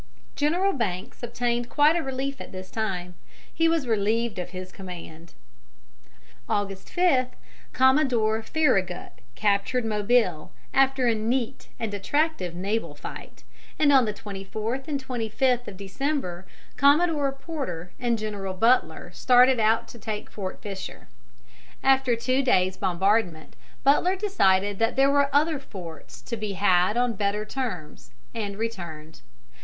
General Banks obtained quite a relief at this time: he was relieved of his command. August 5, Commodore Farragut captured Mobile, after a neat and attractive naval fight, and on the 24th and 25th of December Commodore Porter and General Butler started out to take Fort Fisher. After two days' bombardment, Butler decided that there were other forts to be had on better terms, and returned.